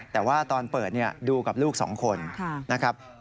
แต่ว่าตอนเปิดดูกับลูก๒คนนะครับ